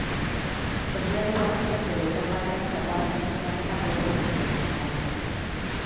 Herrialde bakoitzak bere ezaugarriak eta barne-antolaketa gorde zituen, hala ere.